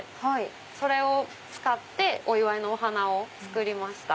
それを使ってお祝いのお花を作りました。